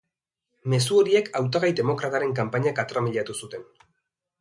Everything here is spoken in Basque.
Mezu horiek hautagai demokrataren kanpaina katramilatu zuten.